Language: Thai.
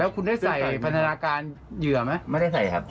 คุณได้ใส่พันธนาการเหยื่อไหมไม่ได้ใส่ครับ